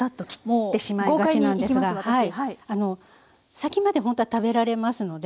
先までほんとは食べられますので。